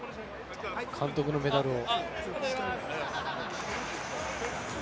監督のメダルを。